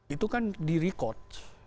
itu kan di record